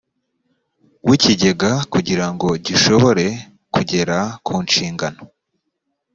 w ikigega kugira ngo gishobore kugera ku nshingano